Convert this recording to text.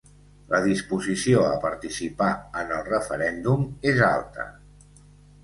La disposició a participar en el referèndum és alta.